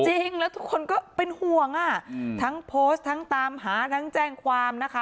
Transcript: จริงแล้วทุกคนก็เป็นห่วงอ่ะทั้งโพสต์ทั้งตามหาทั้งแจ้งความนะคะ